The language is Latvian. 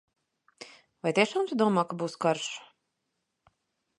Vai tiešām tu domā, ka būs karš?